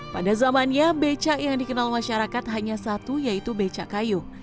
pada zamannya becak yang dikenal masyarakat hanya satu yaitu beca kayu